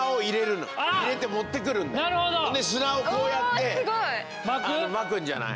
砂をこうやってまくんじゃない？